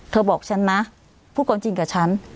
บอกฉันนะพูดความจริงกับฉัน